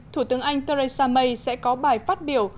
thủ tướng anh theresa may sẽ có bài phát biểu